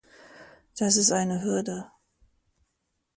Das ist eine Hürde.